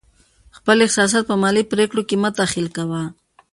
خپل احساسات په مالي پرېکړو کې مه دخیل کوه.